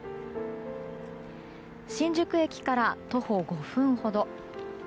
新宿駅から徒歩５分ほど。